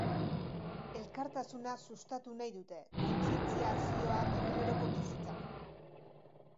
Elkartasuna sustatu nahi dute, kontzientziazioa eguneroko bizitzan.